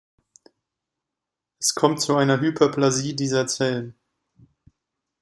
Es kommt zu einer Hyperplasie dieser Zellen.